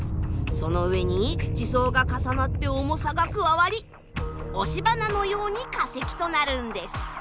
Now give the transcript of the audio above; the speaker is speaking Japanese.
その上に地層が重なって重さが加わり押し花のように化石となるんです。